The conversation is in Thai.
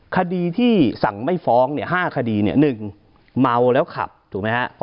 คดีที่สั่งไม่ฟ้องเนี่ย๕คดีเนี่ย๑เมาแล้วขับถูกมั้ยฮะ